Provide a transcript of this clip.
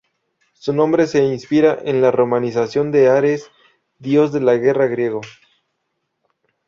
Su nombre se inspira en la romanización de Ares, dios de la guerra griego.